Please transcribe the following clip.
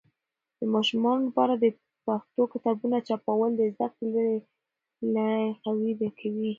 د ماشومانو لپاره د پښتو کتابونه چاپول د زده کړې لړی قوي کوي.